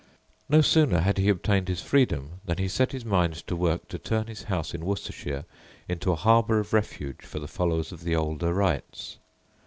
No sooner had he obtained his freedom than he set his mind to work to turn his house in Worcestershire into a harbour of refuge for the followers of the older rites.